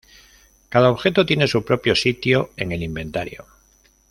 Cada objeto tiene su propio sitio en el inventario.